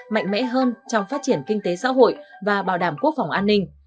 mạnh mẽ hơn trong phát triển kinh tế xã hội và bảo đảm quốc phòng an ninh